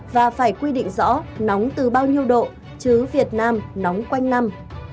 và phải quy định rõ nóng từ bao nhiêu độ chứ việt nam nóng quanh năm